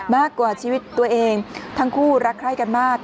มากกว่าชีวิตตัวเองทั้งคู่รักใคร่กันมาก